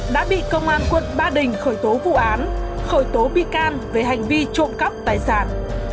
đã bị công an quận ba đình khởi tố vụ án khởi tố bị can về hành vi trộm cắp tài sản